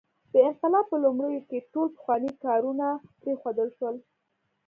د انقلاب په لومړیو کې ټول پخواني کارونه پرېښودل شول.